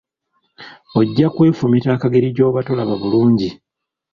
Ojja kwefumita akageri gy’oba tolaba bulungi.